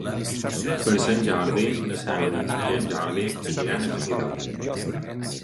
Per Sant Jordi na Cèlia i en Jordi aniran a Benidorm.